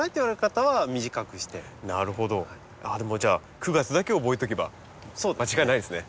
ああでもじゃあ９月だけ覚えておけば間違いないですね。